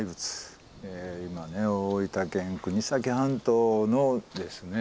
今ね大分県国東半島のですね